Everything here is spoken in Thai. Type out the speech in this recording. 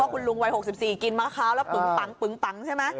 คุณลุงวัย๖๔กินมะพร้าวแล้วปึงปังปึงปังใช่ไหม